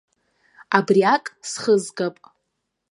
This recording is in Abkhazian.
Абриак схызгап.